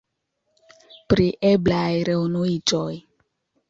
Pri eblaj reunuiĝoj.